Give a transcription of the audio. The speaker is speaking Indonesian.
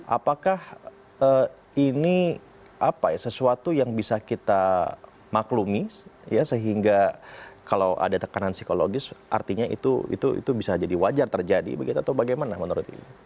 apakah ini sesuatu yang bisa kita maklumi ya sehingga kalau ada tekanan psikologis artinya itu bisa jadi wajar terjadi begitu atau bagaimana menurut ibu